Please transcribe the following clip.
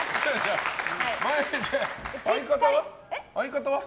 相方は？